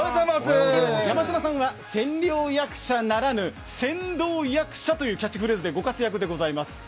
山科さんは千両役者ならぬ、船頭役者というキャッチフレーズでご活躍でございます。